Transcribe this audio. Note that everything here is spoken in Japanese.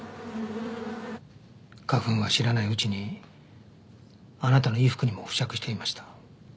花粉は知らないうちにあなたの衣服にも付着していました。